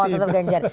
oh tetap ganjar